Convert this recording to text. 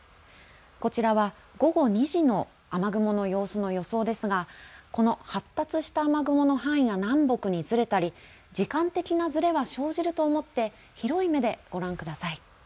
こちらは午後２時の雨雲の様子の予想ですがこの発達した雨雲の範囲が南北にずれたり時間的なずれは生じると思って広い目でご覧ください。